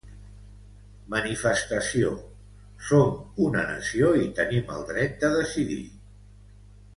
Manifestació «Som una nació i tenim el dret de decidir»